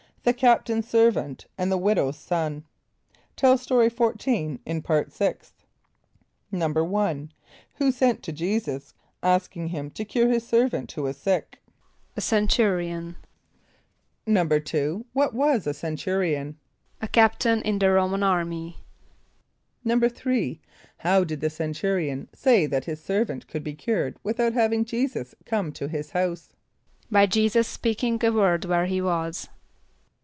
The Captain's Servant and the Widow's Son. (Tell Story 14 in Part Sixth.) =1.= Who sent to J[=e]´[s+]us, asking him to cure his servant who was sick? =A Centurion.= =2.= What was a centurion? =A captain in the R[=o]´man army.= =3.= How did the centurion say that his servant could be cured without having J[=e]´[s+]us come to his house? =By J[=e]´[s+]us speaking a word where he was.